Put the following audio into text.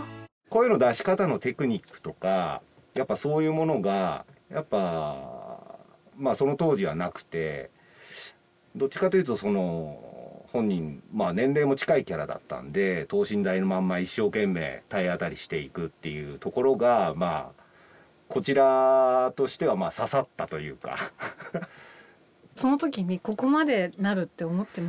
声の出し方のテクニックとかやっぱそういうものがやっぱまぁその当時はなくてどっちかというとその本人年齢も近いキャラだったんで等身大のまんま一生懸命体当たりしていくっていうところがまぁこちらとしては刺さったというかその時にここまでなるって思ってました？